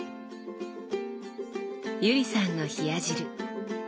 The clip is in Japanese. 友里さんの冷や汁。